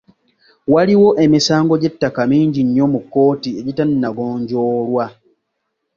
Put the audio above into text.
Waliwo emisango gy'ettaka mingi nnyo mu kkooti egitannagonjoolwa.